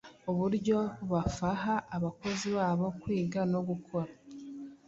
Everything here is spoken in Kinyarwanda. uburyo bafaha abakozi babo kwiga no gukura,